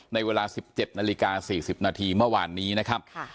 ในเวลา๑๗นาฬิกา๔๐นาทีเมื่อวานนี้นะครับ